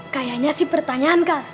kayaknya sih pertanyaan kak